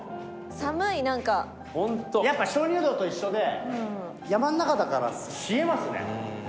やっぱ鍾乳洞と一緒で山の中だから冷えますね。